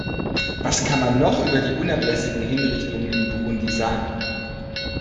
Was kann man noch über die unablässigen Hinrichtungen in Burundi sagen?